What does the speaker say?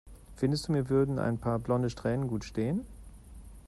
Findest du, mir würden ein paar blonde Strähnen gut stehen?